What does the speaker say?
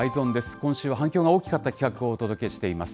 今週は、反響が大きかった企画をお届けしています。